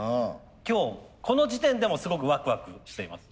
今日この時点でもすごくワクワクしています。